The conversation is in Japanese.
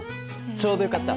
ちょうどよかった。